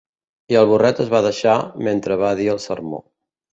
I el burret es va deixar, mentre va dir el sermó.